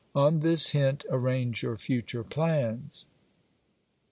On this hint, arrange your future plans.